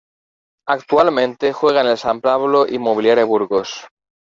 Actualmente juega en el San Pablo Inmobiliaria Burgos.